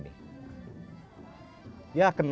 ya kena merah dong ini